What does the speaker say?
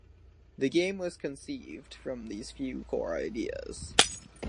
The game was conceived from these few core ideas.